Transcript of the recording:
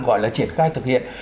gọi là triển khai thực hiện